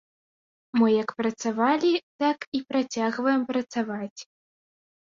Мы як працавалі, так і працягваем працаваць.